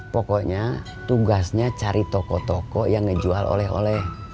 pokoknya tugasnya cari toko toko yang ngejual oleh oleh